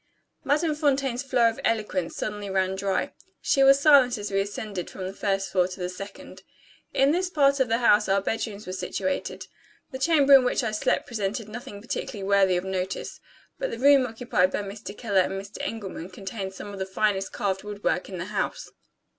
Madame Fontaine's flow of eloquence suddenly ran dry. She was silent as we ascended from the first floor to the second. In this part of the house our bedrooms were situated. The chamber in which I slept presented nothing particularly worthy of notice. But the rooms occupied by Mr. Keller and Mr. Engelman contained some of the finest carved woodwork in the house.